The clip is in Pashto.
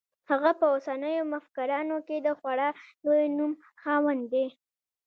هغه په اوسنیو مفکرانو کې د خورا لوی نوم خاوند دی.